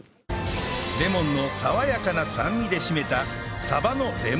レモンの爽やかな酸味で締めた